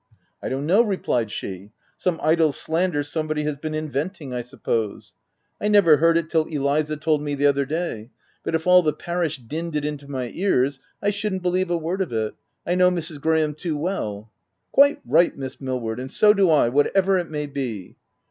" I don't know/' replied she. —" Some idle slander, somebody has been inventing, I sup pose. I never heard it till Eliza told me, the other day, — but if all the parish dinned it in my ears, I should'nt believe a word of it— I know Mrs. Graham too well !" Ci Quite right Miss Milward !— and so do I — whatever it may be."